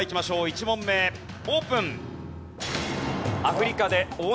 １問目オープン！